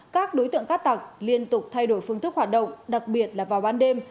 các đối tượng cát tặc liên tục thay đổi phương thức hoạt động đặc biệt là vào ban đêm